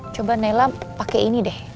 coba nela pake ini deh